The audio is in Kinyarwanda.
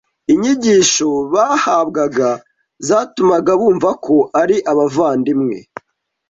inyigisho bahabwaga zatumaga bumva ko ari abavandimwe